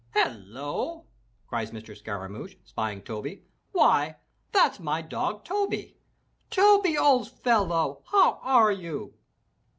"Hello," cries Mr. Scaramouch, spying Toby, "why, that's my dog, Toby. Toby, old fellow, how are you?"